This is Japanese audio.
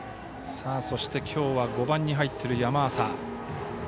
そして、きょうは５番に入っている山浅。